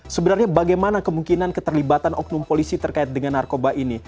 sebenarnya bagaimana kemungkinan keterlibatan oknum polisi terkait dengan narkoba ini